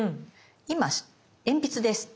今鉛筆です。